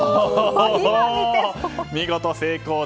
見事成功。